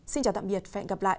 xin chào tạm biệt và hẹn gặp lại